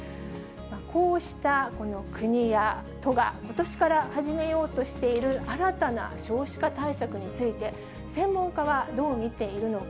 こうしたこの国や都がことしから始めようとしている、新たな少子化対策について、専門家はどう見ているのか。